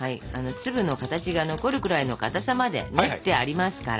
粒の形が残るくらいのかたさまで練ってありますから。